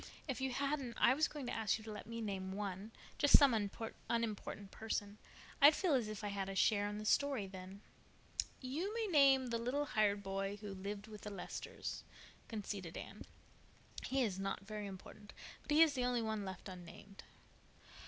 "If you hadn't I was going to ask you to let me name one—just some unimportant person. I'd feel as if I had a share in the story then." "You may name the little hired boy who lived with the Lesters," conceded Anne. "He is not very important, but he is the only one left unnamed."